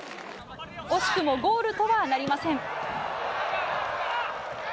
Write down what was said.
惜しくもゴールとはなりません。